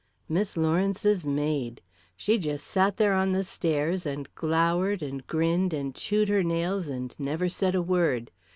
"Miss Lawrence's maid. She just sat there on the stairs and glowered and grinned and chewed her nails and never said a word.